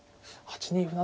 ８二歩